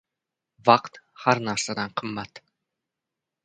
• Vaqt har narsadan qimmat.